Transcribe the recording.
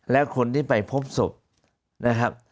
และคนที่ไปพบศพนะครับ